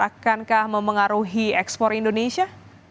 akankah memengaruhi ekspor indonesia